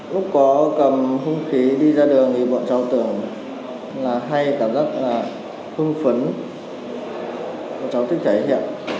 lúc có cầm hung khí đi ra đường thì bọn cháu tưởng là hay cảm giác là không phấn bọn cháu thích thể hiện